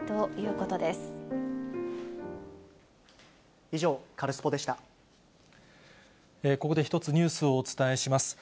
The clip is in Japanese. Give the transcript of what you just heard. ここで一つニュースをお伝えします。